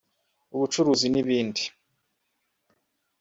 ubucuruzi n’ibindi